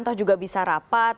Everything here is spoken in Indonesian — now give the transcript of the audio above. atau juga bisa rapat